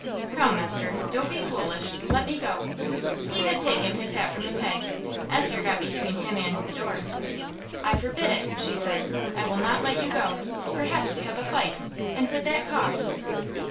"Come, Esther, don't be foolish. Let me go." He had taken his hat from the peg. Esther got between him and the door. "I forbid it," she said; "I will not let you go perhaps to have a fight, and with that cough."